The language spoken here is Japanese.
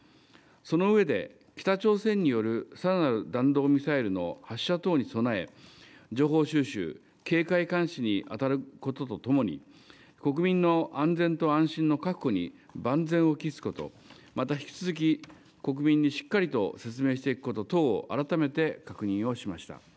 その上で、北朝鮮によるさらなる弾道ミサイルの発射等に備え、情報収集、警戒・監視に当たることとともに、国民の安全と安心の確保に万全を期すこと、また引き続き国民にしっかりと説明していくこと等を改めて確認をしました。